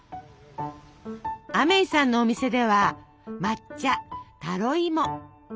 アメイさんのお店では抹茶タロイモチョコレート。